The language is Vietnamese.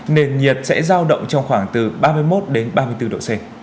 nền nhiệt sẽ giao động trong khoảng từ ba mươi một đến ba mươi bốn độ c